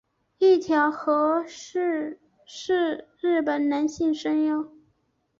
一条和矢是日本男性声优。